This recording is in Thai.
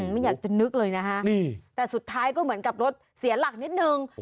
ไม่อยากจะนึกเลยนะฮะแต่สุดท้ายก็เหมือนกับรถเสียหลักนิดนึง